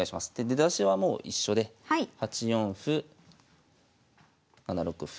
出だしはもう一緒で８四歩７六歩